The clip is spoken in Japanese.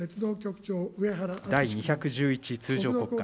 第２１１通常国会。